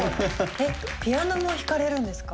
ピアノも弾かれるんですか？